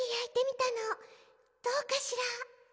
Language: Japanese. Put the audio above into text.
どうかしら？